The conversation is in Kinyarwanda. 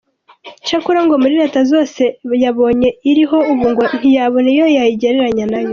Cyakora ngo muri Leta zose yabonye iriho ubu ngo ntiyabona iyo yayigereranya nayo.